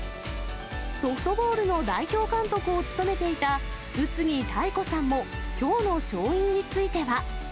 ソフトボールの代表監督を務めていた宇津木妙子さんも、きょうの勝因については。